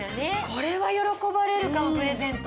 これは喜ばれるかもプレゼント。